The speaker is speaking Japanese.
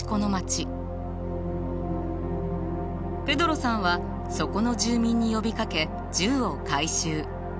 ペドロさんはそこの住民に呼びかけ銃を回収。